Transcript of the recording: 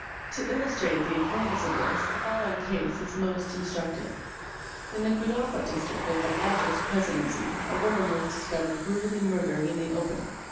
To illustrate the importance of this the following case is most instructive. In the Cuddapah District of the Madras Presidency a woman was discovered brutally murdered in the open.